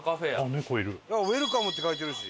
ウェルカムって書いてるし。